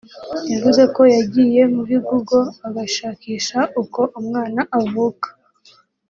yavuze ko yagiye muri Google agashakisha uko umwana avuka